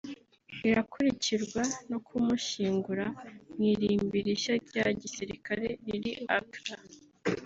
irakurikirwa no kumushyingura mu irimbi rishya rya gisirikare riri Accra